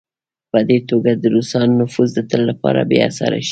په دې توګه د روسانو نفوذ د تل لپاره بې اثره شي.